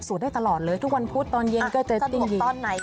สวดได้ตลอดเลยทุกวันพุธตอนเย็นก็จะจริง